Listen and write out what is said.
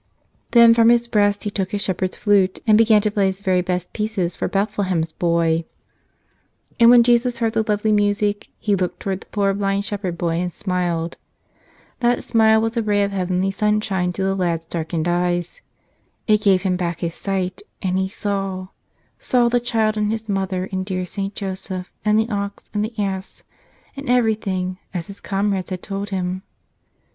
Then from his breast he took his shepherd's flute and began to play his very best pieces for Bethlehem's Boy. And when Jesus heard the lovely music He looked towards the poor blind shepherd boy and smiled. That smile was a ray of heavenly sunshine to the lad's darkened eyes. It gave him back his sight and he saw — saw the Child and His Mother and dear St. Joseph, and the ox and the ass, and everything, as his comrades had told him.